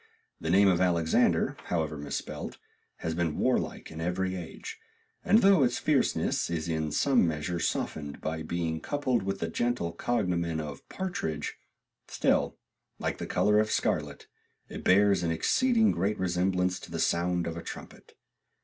The name of Alexander, however mis spelt, has been warlike in every age, and though its fierceness is in some measure softened by being coupled with the gentle cognomen of Partridge, still, like the color of scarlet, it bears an exceeding great resemblance to the sound of a trumpet.